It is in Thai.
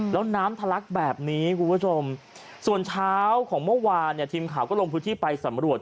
แล้วน้ำทะลักแบบนี้คุณผู้ชมส่วนเช้าของเมื่อวานเนี่ยทีมข่าวก็ลงพื้นที่ไปสำรวจ